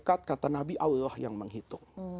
ikat kata nabi allah yang menghitung